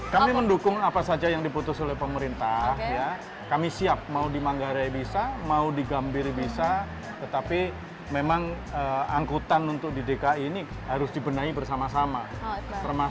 kami mendukung apa saja yang diputus oleh pemerintah kami siap mau di manggarai bisa mau di gambir bisa tetapi memang angkutan untuk di dki ini harus dibenahi bersama sama